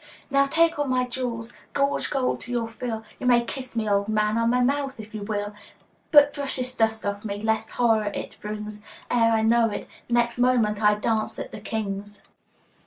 Now, take all my jewels, gorge gold to your fill, You may kiss me, old man, on my mouth if you will! But brush this dust off me, lest horror it brings Ere I know it next moment I dance at the King's!